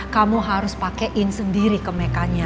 kamu harus paken sendiri ke meika nya